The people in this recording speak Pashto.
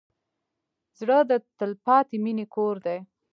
زړه د تلپاتې مینې کور دی.